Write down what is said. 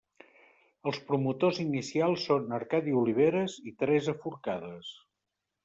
Els promotors inicials són Arcadi Oliveres i Teresa Forcades.